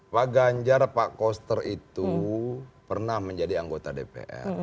pak ganjar pak koster itu pernah menjadi anggota dpr